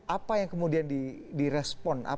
apa yang kemudian direspon